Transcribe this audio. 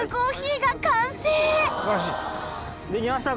できました！